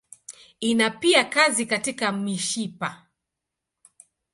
Ina pia kazi katika mishipa.